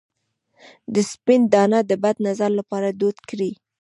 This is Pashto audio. د سپند دانه د بد نظر لپاره دود کړئ